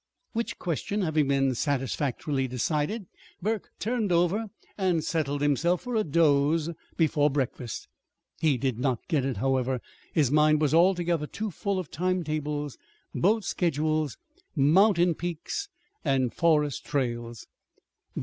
Which question having been satisfactorily decided, Burke turned over and settled himself for a doze before breakfast. He did not get it, however. His mind was altogether too full of time tables, boat schedules, mountain peaks, and forest trails.